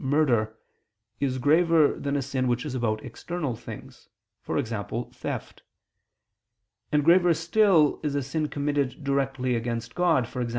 murder, is graver than a sin which is about external things, e.g. theft; and graver still is a sin committed directly against God, e.g.